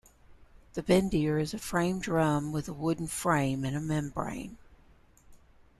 The "bendir" is a frame drum with a wooden frame and a membrane.